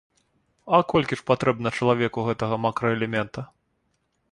А колькі ж патрэбна чалавеку гэтага макраэлемента?